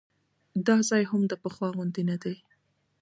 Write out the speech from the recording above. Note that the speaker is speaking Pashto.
دا ځای هم د پخوا غوندې نه دی.